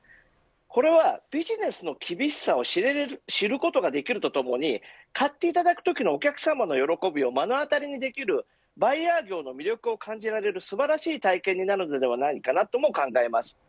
これは、ビジネスの厳しさを知ることができるとともに買っていただくときのお客様の喜びを目の当たりにできるバイヤー業の魅力を感じられる素晴らしい体験になると考えます。